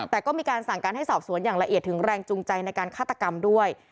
แต่ก็มีการสั่งการให้สอบสวนอย่างละเอียดถึงแรงจูงใจในการฆาตกรรมด้วย